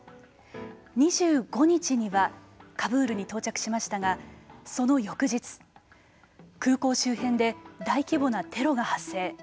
２５日にはカブールに到着しましたがその翌日空港周辺で大規模なテロが発生。